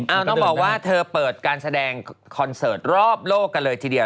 ต้องบอกว่าเธอเปิดการแสดงคอนเสิร์ตรอบโลกกันเลยทีเดียว